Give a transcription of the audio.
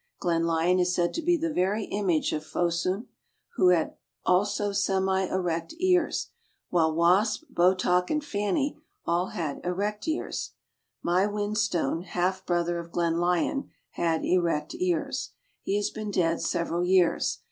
Glenlyon is said to be the very image of Fosoum, who had also semi erect ears; while Wasp, Botach, and Fanny all had erect ears. My Whin stone, half brother to Glenlyon, had erect ears. He has been dead several years.